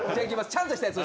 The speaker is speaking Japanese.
ちゃんとしたやつ。